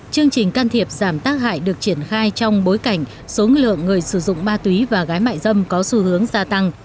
chương trình can thiệp giảm tác hại được triển khai trong bối cảnh số lượng người sử dụng ma túy và gái mại dâm có xu hướng gia tăng